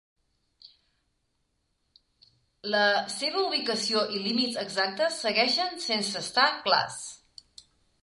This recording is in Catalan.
La seva ubicació i límits exactes segueixen sense estar clars.